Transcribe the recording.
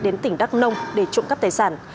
đến tỉnh đắk nông để trộm cắp tài sản